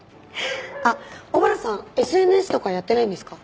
あっ小原さんＳＮＳとかやってないんですか？